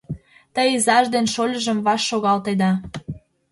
Те изаж ден шольыжым ваш шогалтеда...